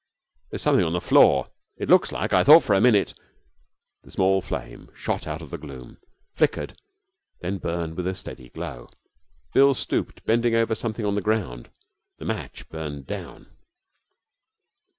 'There's something on the floor. It looks like I thought for a minute ' The small flame shot out of the gloom, flickered, then burned with a steady glow. Bill stooped, bending over something on the ground. The match burned down.